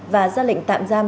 và ra lệnh tạm giam